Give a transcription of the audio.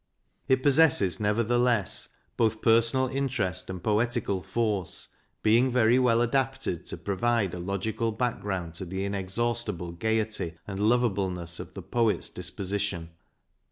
It possesses, nevertheless, both personal interest and poetical force, being very well adapted to provide a logical background to the in exhaustible gaiety and lovableness of the poet's dis position.